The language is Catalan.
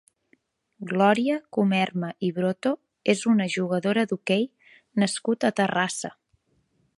Glòria Comerma i Broto és una jugadora d'hoquei nascuda a Terrassa.